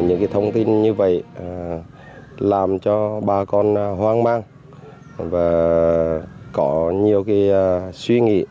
những thông tin như vậy làm cho bà con hoang mang và có nhiều suy nghĩ